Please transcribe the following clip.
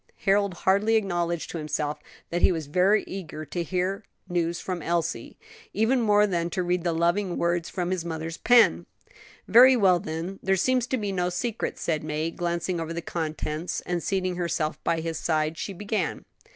Harold hardly acknowledged to himself that he was very eager to hear news from Elsie; even more than to read the loving words from his mother's pen. "Very well, then; there seems to be no secret," said May, glancing over the contents; and seating herself by his side she began.